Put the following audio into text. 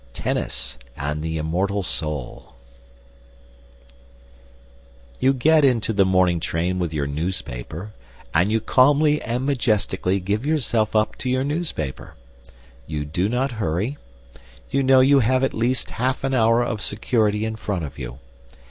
V TENNIS AND THE IMMORTAL SOUL You get into the morning train with your newspaper, and you calmly and majestically give yourself up to your newspaper. You do not hurry. You know you have at least half an hour of security in front of you.